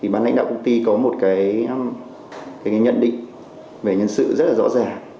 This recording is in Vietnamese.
ban lãnh đạo công ty có một cái nhận định về nhân sự rất là rõ ràng